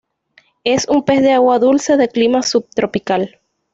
Es un pez de Agua dulce, de clima subtropical.